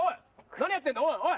何やってんだおいおい！